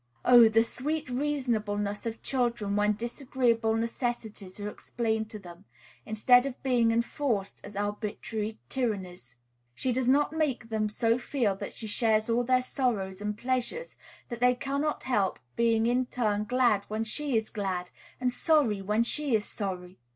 Oh! the sweet reasonableness of children when disagreeable necessities are explained to them, instead of being enforced as arbitrary tyrannies! She does not make them so feel that she shares all their sorrows and pleasures that they cannot help being in turn glad when she is glad, and sorry when she is sorry.